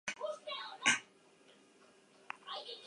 Dominak estadiotik kanpo banatuko dira, publikotik hurbilago.